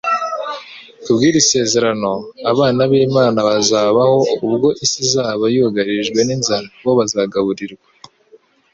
Ku bw'iri sezerano, abana b'Imana bazabaho. Ubwo isi izaba yugarijwe n'inzara, bo bazagaburirwa